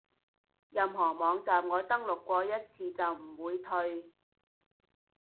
任何網站我登錄過一次就唔會退